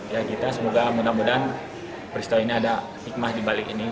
ya kita semoga mudah mudahan peristiwa ini ada hikmah dibalik ini